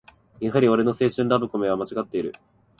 やはり俺の青春ラブコメはまちがっている